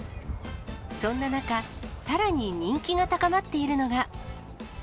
そんな中、さらに人気が高まっているのが。